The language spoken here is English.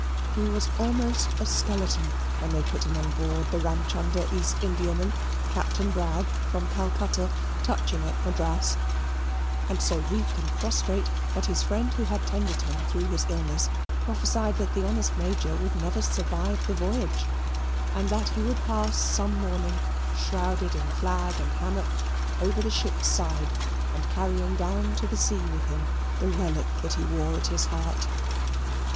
He was almost a skeleton when they put him on board the Ramchunder East Indiaman, Captain Bragg, from Calcutta, touching at Madras, and so weak and prostrate that his friend who had tended him through his illness prophesied that the honest Major would never survive the voyage, and that he would pass some morning, shrouded in flag and hammock, over the ship's side, and carrying down to the sea with him the relic that he wore at his heart.